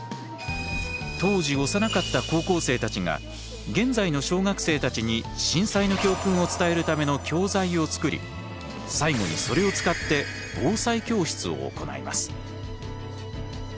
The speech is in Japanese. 当時幼かった高校生たちが現在の小学生たちに震災の教訓を伝えるための教材をつくり最後にそれを使って防災教室を行います。